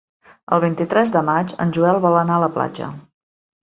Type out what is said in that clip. El vint-i-tres de maig en Joel vol anar a la platja.